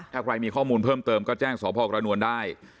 ถ้าใครมีข้อมูลเพิ่มเติมก็แจ้งสพกระนวลได้